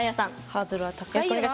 ハードルは高いよな。